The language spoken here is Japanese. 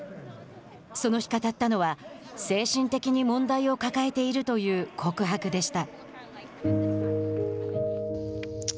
その日、語ったのは精神的に問題を抱えているという告白でした。